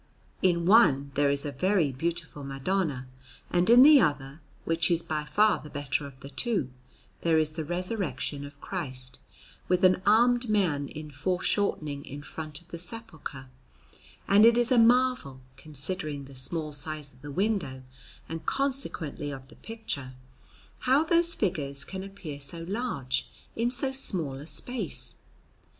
In one there is a very beautiful Madonna; and in the other, which is by far the better of the two, there is the Resurrection of Christ, with an armed man in foreshortening in front of the Sepulchre; and it is a marvel, considering the small size of the window and consequently of the picture, how those figures can appear so large in so small a space.